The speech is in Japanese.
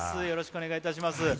よろしくお願いします。